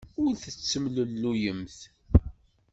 Ur tettemlelluyemt.